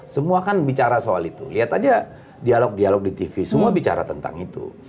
semua kan bicara soal itu lihat aja dialog dialog di tv semua bicara tentang itu